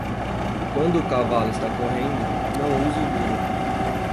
Quando o cavalo está correndo, não use o duro.